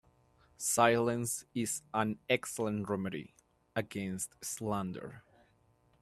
Silence is an excellent remedy against slander.